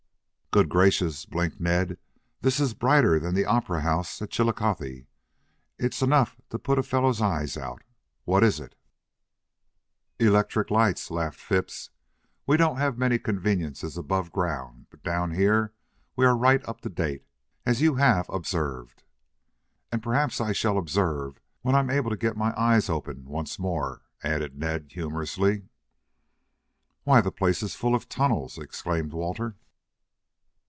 "Good gracious," blinked Ned. "This is brighter than the opera house at Chillicothe. It's enough to put a fellow's eyes out. What is it?" "Electric lights," laughed Phipps. "We don't have many conveniences above ground, but down here we are right up to date, as you have observed." "As I perhaps shall observe when I am able to get my eyes open once more," added Ned humorously. "Why, the place is full of tunnels!" exclaimed Walter.